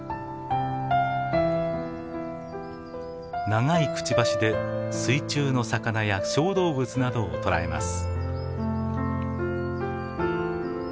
長いくちばしで水中の魚や小動物などを捕らえます。